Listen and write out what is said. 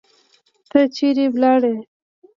ته چیرې لاړې؟